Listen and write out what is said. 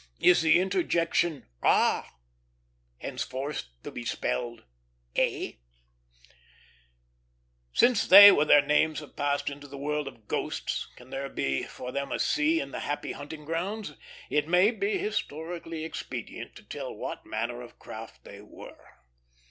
is the interjection, ah, henceforth to be spelled a? Since they with their names have passed into the world of ghosts can there be for them a sea in the happy hunting grounds? it may be historically expedient to tell what manner of craft they were.